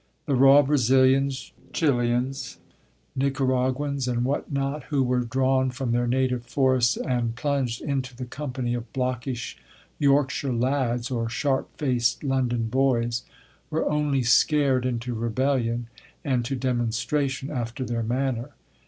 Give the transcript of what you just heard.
The raw Brazilians, Chilians, Nicaraguans and what not who were drawn from their native forests and plunged into the company of blockish Yorkshire lads, or sharp faced London boys, were only scared into rebellion and to demonstration after their manner.